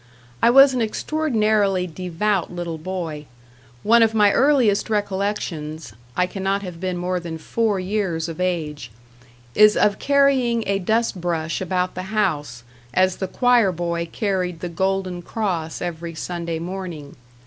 I was an extraordinarily devout little boy; one of my earliest recollections I cannot have been more than four years of age is of carrying a dust brush about the house as the choir boy carried the golden cross every Sunday morning.